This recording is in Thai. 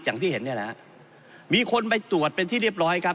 อย่างที่เห็นเนี่ยแหละฮะมีคนไปตรวจเป็นที่เรียบร้อยครับ